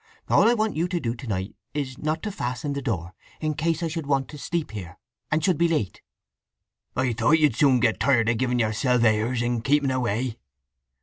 All I want you to do to night is not to fasten the door, in case I should want to sleep here, and should be late." "I thought you'd soon get tired of giving yourself airs and keeping away!"